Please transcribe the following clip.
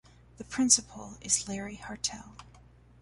The principal is Larry Hartel.